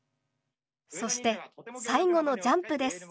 そして最後のジャンプです。